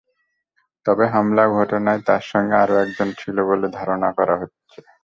তবে হামলার ঘটনায় তার সঙ্গে আরও একজন ছিল বলে ধারণা করা হচ্ছে।